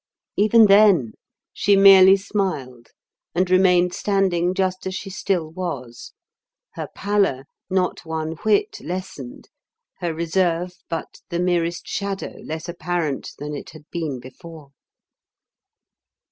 even then, she merely smiled and remained standing just as she still was; her pallor not one whit lessened, her reserve but the merest shadow less apparent than it had been before.